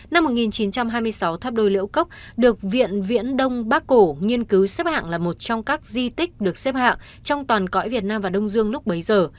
năm một nghìn chín trăm hai mươi sáu tháp đôi liễu cốc được viện viễn đông bắc cổ nghiên cứu xếp hạng là một trong các di tích được xếp hạng trong toàn cõi việt nam và đông dương lúc bấy giờ